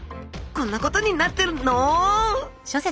こんなことになってるのう？